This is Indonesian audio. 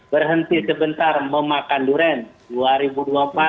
berhenti sebentar memakan durian